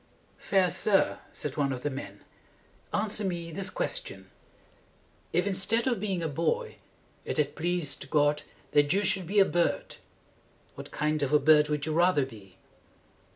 "Fair sir," said one of the men, "answer me this question: If, instead of being a boy, it had pleased God that you should be a bird, what kind of a bird would you rather be?"